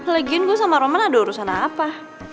lagiin gue sama roman ada urusan apa